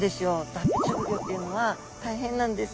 脱皮直後というのは大変なんです！